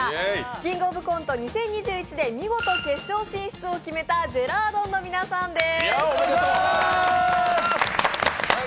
キングオブコント２０２１で見事、決勝進出を決めたジェラードンの皆さんです。